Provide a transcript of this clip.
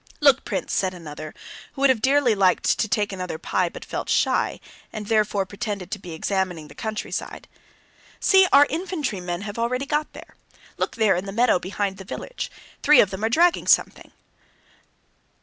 "Look, Prince," said another, who would have dearly liked to take another pie but felt shy, and therefore pretended to be examining the countryside—"See, our infantrymen have already got there. Look there in the meadow behind the village, three of them are dragging something.